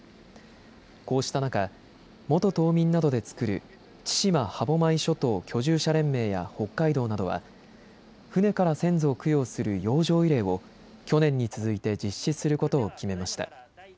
こうした中、元島民などで作る千島歯舞諸島居住者連盟や北海道などは船から先祖を供養する洋上慰霊を去年に続いて実施することを決めました。